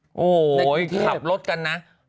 โอ้โฮขับรถกันนะ